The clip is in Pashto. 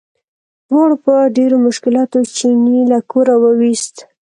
دواړو په ډېرو مشکلاتو چیني له کوره وویست.